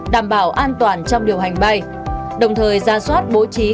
đảm bảo an toàn trong điều hành bay đồng thời ra soát bố trí ca kiếp trực